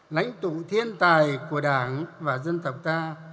lãnh tụ thiên tài của đảng và dân tộc ta